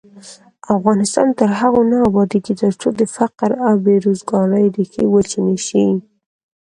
افغانستان تر هغو نه ابادیږي، ترڅو د فقر او بې روزګارۍ ریښې وچې نشي.